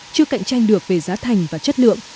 chưa cạnh tranh được về giá thành và chất lượng